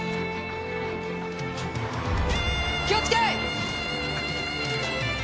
気をつけ！